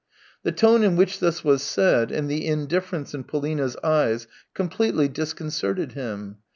The tone in which this was said, and the in difference in Polina's eyes, completely disconcerted him.